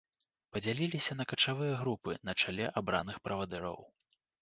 Падзяляліся на качавыя групы на чале абраных правадыроў.